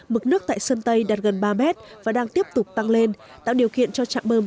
mực nước tại sơn tây đạt gần ba mét và đang tiếp tục tăng lên tạo điều kiện cho trạm bơm